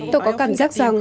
tôi có cảm giác rằng